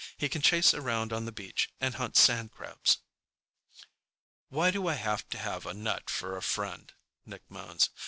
He can chase around on the beach and hunt sand crabs." "Why do I have to have a nut for a friend?" Nick moans.